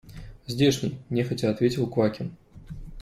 Здешний, – нехотя ответил Квакин.